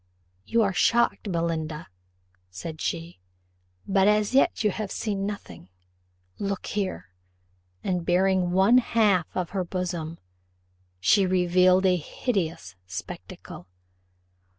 "You are shocked, Belinda," said she; "but as yet you have seen nothing look here," and baring one half of her bosom, she revealed a hideous spectacle.